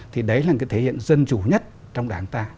thì đấy là cái thể hiện dân chủ nhất trong đảng ta